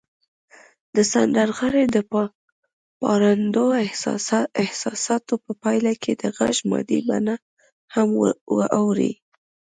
د سندرغاړي د پارندو احساساتو په پایله کې د غږ مادي بڼه هم اوړي